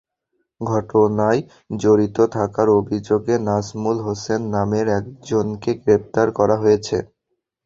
ঘটনায় জড়িত থাকার অভিযোগে নাজমুল হোসেন নামের একজনকে গ্রেপ্তার করা হয়েছে।